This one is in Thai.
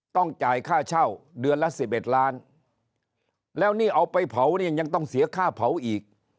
ต้องจ่ายค่าเช่าเดือนละ๑๑ล้านแล้วนี่เอาไปเผาเนี่ยยังต้องเสียค่าเผาอีก